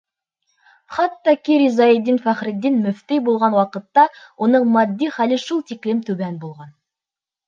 Хатта ки Ризаитдин Фәхретдин мөфтөй булған ваҡытта уның матди хәле шул тиклем түбән булған.